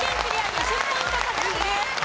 ２０ポイント獲得です。